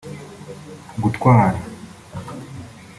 gutwara